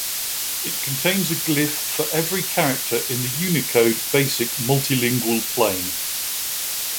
It contains a glyph for every character in the Unicode Basic Multilingual Plane.